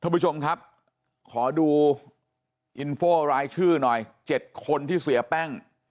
ผู้ชมครับขอดูอินโฟรายชื่อหน่อย๗คนที่เสียแป้ง